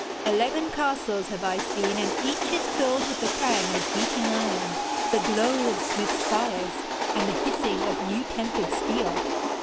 Eleven castles have I seen, and each is filled with the clang of beating iron, the glow of smiths' fires and the hissing of new tempered steel.